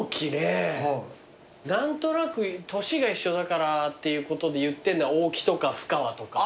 何となく年が一緒だからっていうことで言ってるのは大木とかふかわとか。